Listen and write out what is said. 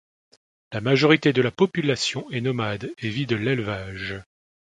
La majorité de la population est nomade et vit de l’élevage.